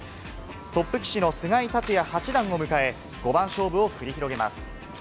トップ棋士の菅井竜也八段を迎え、五番勝負を繰り広げます。